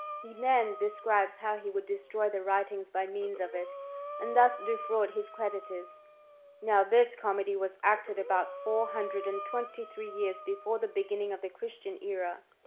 He then describes how he would troy the writings by means of it, and thus defraud creditors. Now this comedy was acted about four idred and twenty three years before the beginning the Christian era.